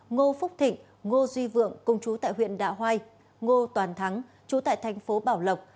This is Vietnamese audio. ngô phúc thịnh ngô duy vượng công chú tại huyện đạ hoai ngô toàn thắng chú tại thành phố bảo lộc